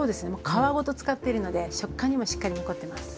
皮ごと使っているので食感にもしっかり残ってます。